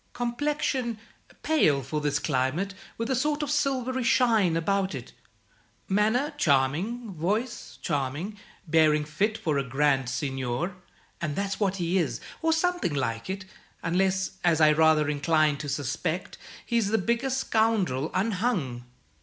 Complexion, pale for this climate, with a sort of silvery shine about it. Manner charming, voice charming, bearing fit for a grand seigneur; and that's what he is, or something like it, unless, as I rather incline to suspect, he's the biggest scoundrel unhung."